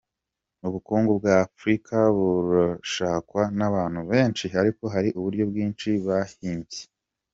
Ubukungu bwa Afurika burashakwa n’abantu benshi ariko hari uburyo bwinshi bahimbye.